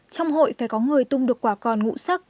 trong hội phải có người tung được quả còn ngũ sắc